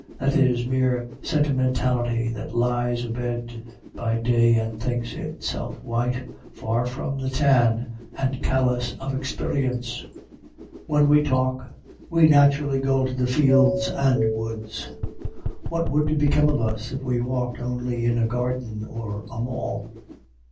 That is mere sentimentality that lies abed by day and thinks itself white, far from the tan and callus of experience. When we walk, we naturally go to the fields and woods: what would become of us, if we walked only in a garden or a mall?